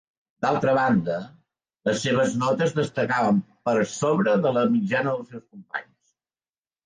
D'altra banda, les seves notes destacaven per sobre de la mitjana dels seus companys.